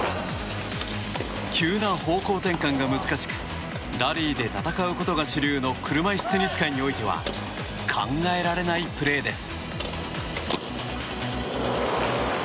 急な方向転換が難しくラリーで戦うことが主流の車いすテニス界においては考えられないプレーです。